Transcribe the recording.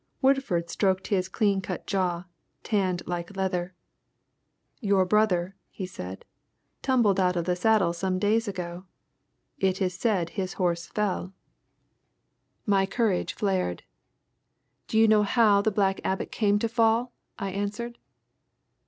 Woodford stroked his clean cut jaw, tanned like leather. "Your brother," he said, "tumbled out of the saddle some days ago. It is said his horse fell." My courage flared. "Do you know how the Black Abbot came to fall?" I answered.